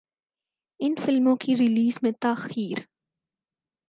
ان فلموں کی ریلیز میں تاخیر